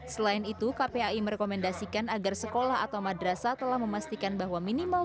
selain itu kpai merekomendasikan agar sekolah atau madrasah telah memastikan bahwa minimal